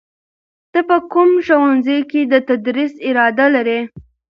ته په کوم ښوونځي کې د تدریس اراده لرې؟